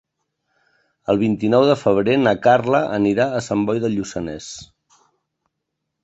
El vint-i-nou de febrer na Carla anirà a Sant Boi de Lluçanès.